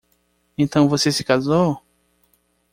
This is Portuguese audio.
Então você se casou?